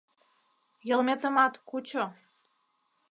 Йылметымат кучо...